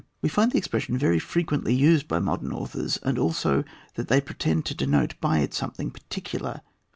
We find the expression very frequently used by modern authors and also that they pretend to denote by it something particular.